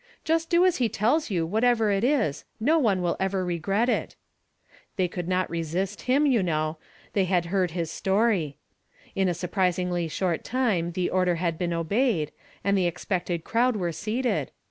' Do just as he tells you, whatever it is ; no one will ever regret it.' They could not resist liira, 188 YESTEKDAVr FRAMED IN "O DAV, ||.■: you know; they luul heard his story. In a sur prisingly shirt time the order had been obeyed, and the expected crowd were seated.